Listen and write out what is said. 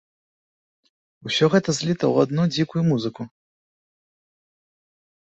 Усё гэта зліта ў адну дзікую музыку.